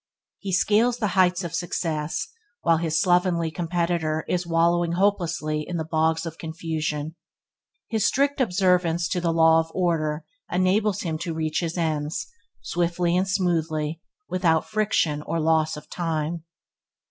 He scale the heights of success while his slovenly competitor is wallowing hopelessly in the bogs of confusion. His strict observance of the law of order enables him to reach his ends, swiftly and smoothly, without friction or loss of time.